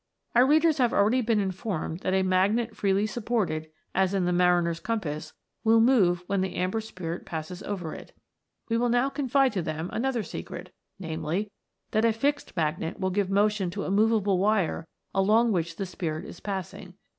Our readers have already been informed that a magnet freely supported, as in the mariner's com pass, will move when the Amber Spirit passes over it. We will now confide to them another secret, namely, that a fixed magnet will give motion to a moveable wire along which the Spirit is passing.